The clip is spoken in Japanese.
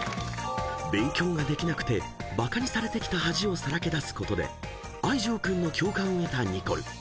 ［勉強ができなくてバカにされてきた恥をさらけ出すことで藍丈君の共感を得たニコル］